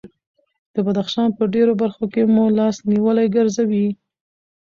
د بدخشان په ډېرو برخو کې مو لاس نیولي ګرځوي.